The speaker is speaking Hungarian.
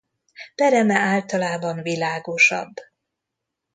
Pereme általában világosabb.